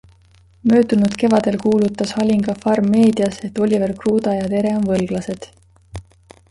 Möödunud kevadel kuulutas Halinga farm meedias, et Oliver Kruuda ja Tere on võlglased.